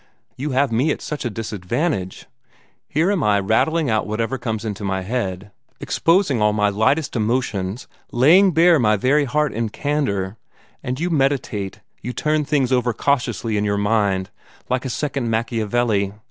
"You have me at such a disadvantage! Here am I rattling out whatever comes into my head, exposing all my lightest emotions, and laying bare my very heart in candor, and you meditate, you turn things over cautiously in your mind, like a second Machiavelli.